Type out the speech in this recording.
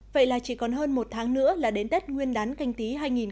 vậy là chỉ còn hơn một tháng nữa là đến tết nguyên đán canh tí hai nghìn hai mươi